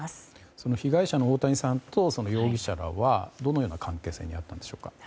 その被害者の大谷さんと容疑者らはどのような関係性にあったのでしょうか。